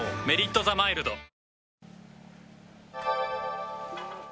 「メリットザマイルド」